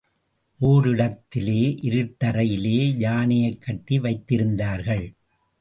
ஓரிடத்திலே இருட்டறையிலே யானையைக் கட்டி வைத்திருந்தார்கள்.